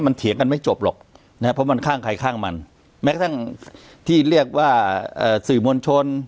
มันเถียงกันไม่จบหรอกนะครับเพราะมันข้างใครข้างมันแม้ทั้งที่เรียกว่าสื่อมวลชน